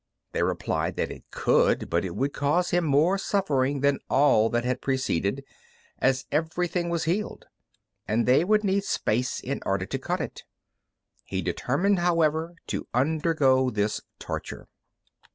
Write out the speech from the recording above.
They replied that it could, but it would cause him more suffering than all that had preceded, as everything was healed, and they would need space in order to cut it. He determined, however, to undergo this torture.